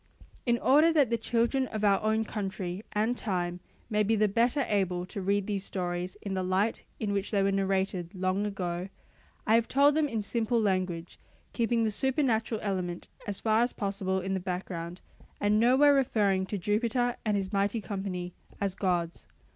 In order that the children of our own country and time may be the better able to read these stories in the light in which they were narrated long ago, I have told them in simple language, keeping the supernatural element as far as possible in the background, and nowhere referring to Jupiter and his mighty company as gods.